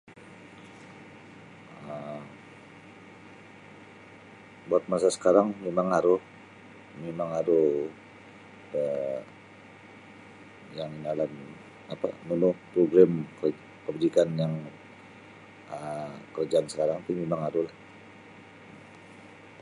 um Buat masa sakarang mimang aru mimang aru um yang da yang inalan apa nunu program kebajikan yang um karajaan sakarang ti mimang aru lah.